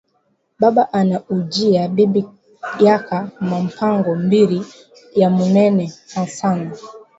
Baba anaujiya bibi yaka ma mpango mbiri ya munene sana